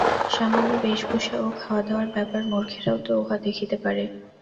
সামান্য বেশভূষা ও খাওয়া-দাওয়ার ব্যাপার! মূর্খেরাও তো উহা দেখিতে পারে।